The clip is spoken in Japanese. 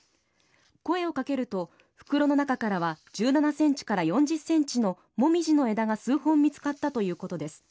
声を掛けると袋の中からは１７ｃｍから４０ｃｍのモミジの枝が数本見つかったということです。